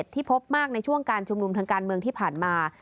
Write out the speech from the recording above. ที่พบมากในช่วงการชุมนุมทางการเมืองที่ผ่านมา